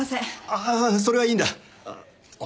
ああそれはいいんだ。